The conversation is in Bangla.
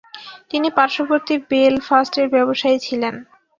তিনি পার্শ্ববর্তী বেলফাস্টের ব্যবসায়ী ছিলেন।